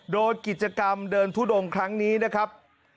โดยกิจกรรมเดินทุดงครั้งนี้นะครับ